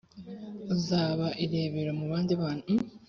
uzaba irebero mu bandi bana